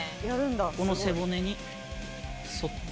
ここの背骨に沿って。